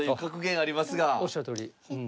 あっおっしゃるとおり。